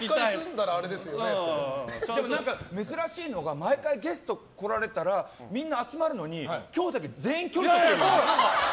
珍しいのが毎回ゲストに来られたらみんな集まるのに今日だけ全員距離取ってる。